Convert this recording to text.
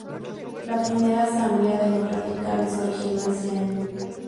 La primera asamblea de los radicales se originó ese año.